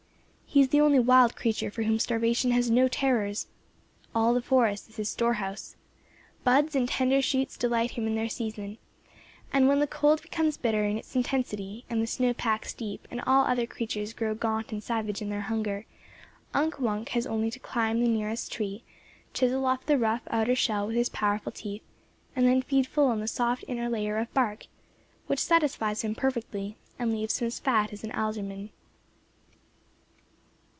He is the only wild creature for whom starvation has no terrors. All the forest is his storehouse. Buds and tender shoots delight him in their season; and when the cold becomes bitter in its intensity, and the snow packs deep, and all other creatures grow gaunt and savage in their hunger, Unk Wunk has only to climb the nearest tree, chisel off the rough, outer shell with his powerful teeth, and then feed full on the soft inner layer of bark, which satisfies him perfectly and leaves him as fat as an alderman.